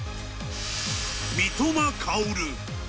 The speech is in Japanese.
三笘薫。